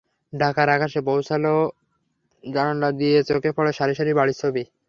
ঢাকার আকাশে পৌঁছালে জানালা দিয়ে চোখে পড়ে সারি সারি বাড়ির ছবি।